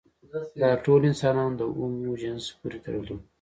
دا ټول انسانان د هومو جنس پورې تړلي وو.